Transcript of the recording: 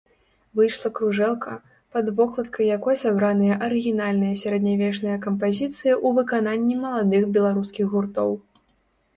Выйшла кружэлка, пад вокладкай якой сабраныя арыгінальныя сярэднявечныя кампазіцыі ў выкананні маладых беларускіх гуртоў.